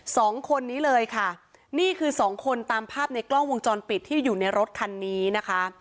สองคนนี้เลยค่ะนี่คือสองคนตามภาพในกล้องวงจรปิดที่อยู่ในรถคันนี้นะคะ